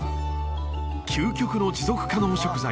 究極の持続可能食材